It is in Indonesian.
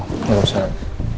yaudah bou saran